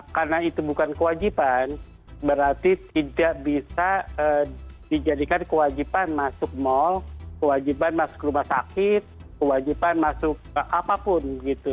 karena itu bukan kewajiban berarti tidak bisa dijadikan kewajiban masuk mall kewajiban masuk rumah sakit kewajiban masuk apapun gitu